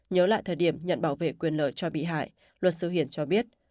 nhớ lại thời điểm nhận bảo vệ quyền lợi cho bị hại luật sư hiển cho biết